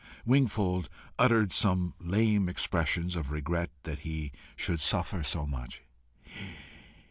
Wingfold uttered some lame expressions of regret that he should suffer so much.